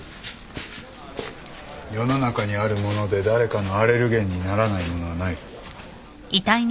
世の中にあるもので誰かのアレルゲンにならないものはない。